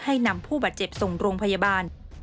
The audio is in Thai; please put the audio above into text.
นำผู้บาดเจ็บส่งโรงพยาบาล